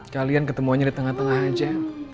kalian ketemu aja di tengah tengah aja